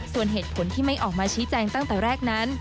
ส่วนเหตุผลที่ไม่ออกมาชี้แจงตั้งแต่แรกนั้น